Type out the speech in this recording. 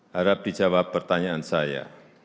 harap dijawab pertanyaan saya